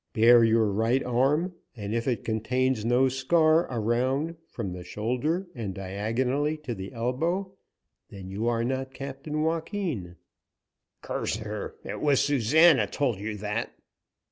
"Bare your right arm, and if it contains no scar, around from the shoulder and diagonally to the elbow, then you are not Captain Joaquin." "Curse her! it was Susana told you that!"